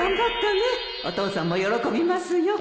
お父さんも喜びますよ